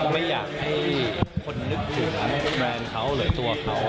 ไม่อยากให้คนนึกถึงแบรนด์เขาหรือตัวเขา